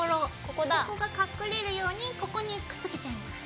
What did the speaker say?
ここが隠れるようにここにくっつけちゃいます。